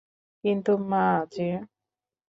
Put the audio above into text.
কিন্তু মা যে।